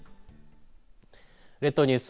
列島ニュース